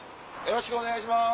よろしくお願いします。